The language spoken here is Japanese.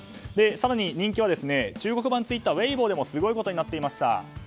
更に人気は中国版ツイッターウェイボーでもすごいことになっていました。